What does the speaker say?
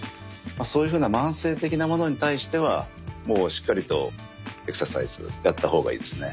そういうふうな慢性的なものに対してはもうしっかりとエクササイズやった方がいいですね。